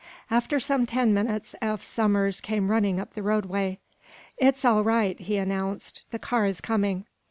After some ten minutes Eph Somers came running up the roadway. "It's all right," he announced. "The car is coming."